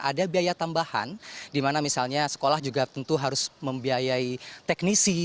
ada biaya tambahan di mana misalnya sekolah juga tentu harus membiayai teknisi